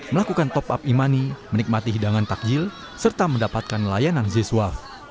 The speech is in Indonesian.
melakukan top up imani menikmati hidangan takjil serta mendapatkan layanan ziswa